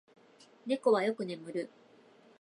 猫はよく眠る。